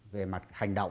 về mặt hành động